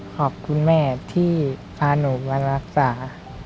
ขอบคุณแม่ที่พาหนูมารักษา